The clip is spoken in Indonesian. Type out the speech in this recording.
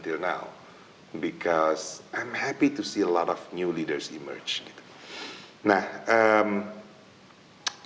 karena saya senang melihat banyak leaders baru yang muncul